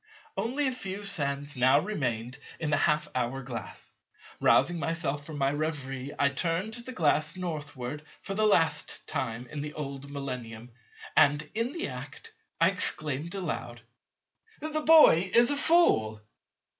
Only a few sands now remained in the half hour glass. Rousing myself from my reverie I turned the glass Northward for the last time in the old Millennium; and in the act, I exclaimed aloud, "The boy is a fool."